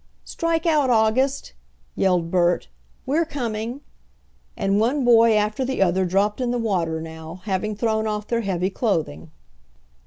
"Strike out, August!" yelled Bert. "We're coming," and one boy after the other dropped in the water now, having thrown off their heavy clothing.